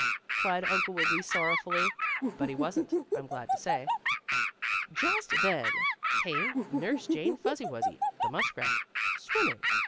cried Uncle Wiggily sorrowfully. But he wasn't, I'm glad to say. Just then along came Nurse Jane Fuzzy Wuzzy, the muskrat, swimming.